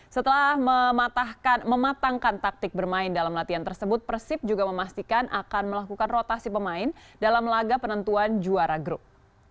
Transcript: setelah mematangkan taktik bermain dalam latihan tersebut persib juga memastikan akan melakukan rotasi pemain dalam laga penentuan juara grup